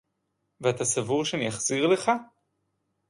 ואתה סבור שאני אחזיר לך?